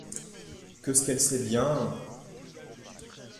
Que ce qu’elle sait bien…